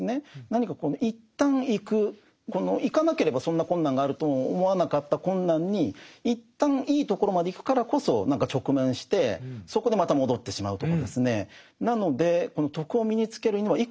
何か一旦行く行かなければそんな困難があるとも思わなかった困難に一旦いいところまで行くからこそ何か直面してそこでまた戻ってしまうとかですね。